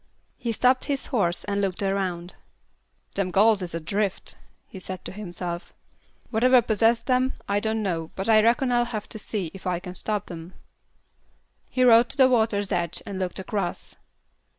He stopped his horse and looked around. "Them gals is adrift," he said to himself. "Whatever possessed 'em I don't know, but I reckon I'll have to see if I can't stop 'em." He rode to the water's edge and looked across.